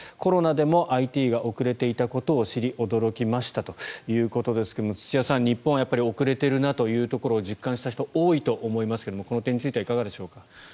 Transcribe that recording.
コロナでもＩＴが遅れていたことを知り驚きましたということですが土屋さん日本は遅れているなということを実感した人が多いと思いますがこの点はいかがでしょうか？